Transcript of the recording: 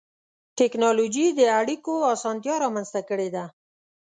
ټکنالوجي د اړیکو اسانتیا رامنځته کړې ده.